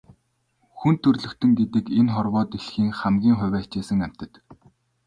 Хүн төрөлхтөн гэдэг энэ хорвоо дэлхийн хамгийн хувиа хичээсэн амьтад.